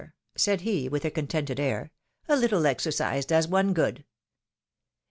^^ said he, with a contented air, ^^a little exer cise does one good.